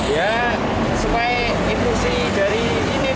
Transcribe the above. ya sesuai instusi dari ini